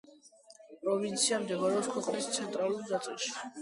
პროვინცია მდებარეობს ქვეყნის ცენტრალურ ნაწილში.